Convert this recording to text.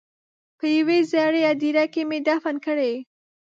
په یوې زړې هدیرې کې مې دفن کړې.